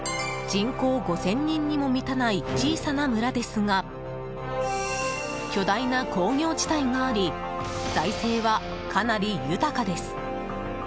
人口５０００人にも満たない小さな村ですが巨大な工業地帯があり財政はかなり豊かです。